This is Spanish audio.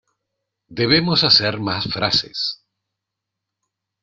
Debemos hacer más frases.